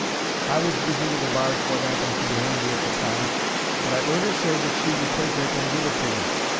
I was busy with a barge wot happened to be handy at the time, but I 'eard her say that she would take it and give it to 'im.